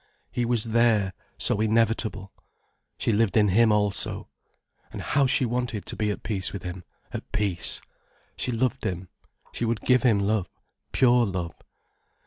He was there, so inevitable. She lived in him also. And how she wanted to be at peace with him, at peace. She loved him. She would give him love, pure love.